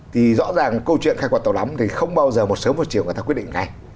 thì rõ ràng câu chuyện khai quật tàu đắm thì không bao giờ một sớm một chiều người ta quyết định ngay